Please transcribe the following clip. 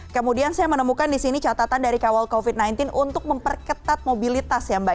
kemudian saya menemukan di sini catatan dari kawal covid sembilan belas untuk memperketat mobilitas ya mbak